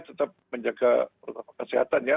tetap menjaga kesehatan ya